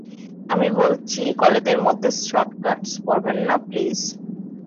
আমি বলছি কলেজে মধ্যে শর্ট স্কার্ট পরবেন না প্লিজ।